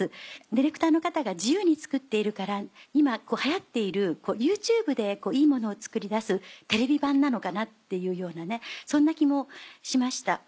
ディレクターの方が自由に作っているから今流行っているＹｏｕＴｕｂｅでいいものを作り出すテレビ版なのかなっていうようなそんな気もしました。